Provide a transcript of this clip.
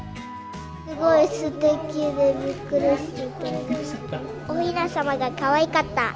すごいすてきで、びっくりしおひなさまがかわいかった。